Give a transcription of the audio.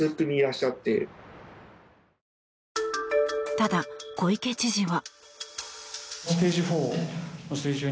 ただ、小池知事は。